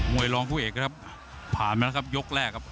วยรองผู้เอกนะครับผ่านมาแล้วครับยกแรกครับ